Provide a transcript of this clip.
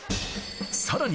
さらに